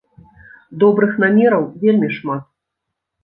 Добрых намераў вельмі шмат.